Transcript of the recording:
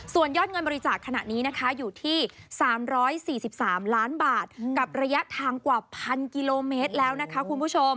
ส่วนยอดเงินบริจาคขณะนี้นะคะอยู่ที่๓๔๓ล้านบาทกับระยะทางกว่า๑๐๐กิโลเมตรแล้วนะคะคุณผู้ชม